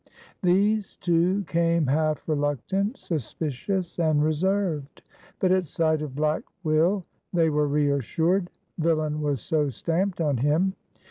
These two came half reluctant, suspicious and reserved. But at sight of Black Will they were reassured, villain was so stamped on him.